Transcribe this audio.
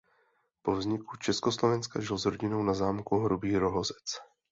Po vzniku Československa žil s rodinou na zámku Hrubý Rohozec.